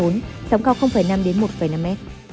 sóng cao năm một năm m